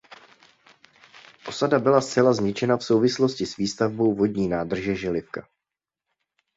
Osada byla zcela zničena v souvislosti s výstavbou vodní nádrže Želivka.